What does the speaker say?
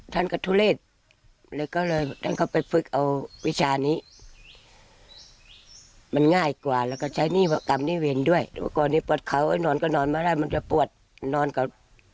ตะเลก็เลยต้องไปฝึกเอาวิธีอ่านที่มันง่ายกว่าแล้วก็ชัยแบบตามได้เวียนด้วยตัวก่อนเลยเปิดเขานอนก็นอนไว้แล้วมันจะปวดนอนกับเรา